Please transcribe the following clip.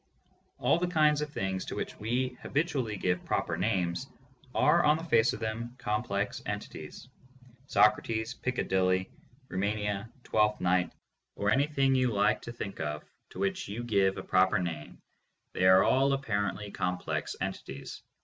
All the kinds of things to which we habitually give proper names are on the face of them complex entities: Socrates, Piccadilly, Rumania, Twelfth Night or anything you like to think of, to which you give a proper name, they are all apparently complex entities.